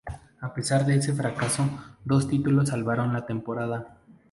A pesar de este fracaso, dos títulos salvaron la temporada.